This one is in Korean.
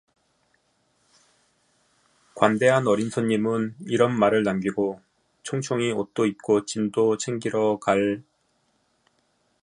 관대한 어린 손님은 이런 말을 남기고 총총히 옷도 입고 짐도 챙기러 갈